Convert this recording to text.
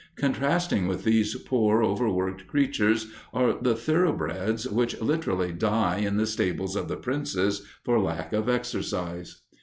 Contrasting with these poor over worked creatures are the thoroughbreds which literally die in the stables of the princes for lack of exercise.